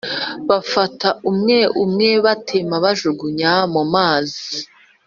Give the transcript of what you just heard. bafata umwe umwe batema bajugunya mumazi